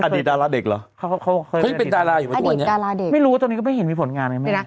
อดีตดาราเด็กหรอเค้าเคยเป็นดาราอยู่มาตัวเนี้ยอดีตดาราเด็กไม่รู้ว่าตอนนี้ก็ไม่เห็นมีผลงานไงไม่นะ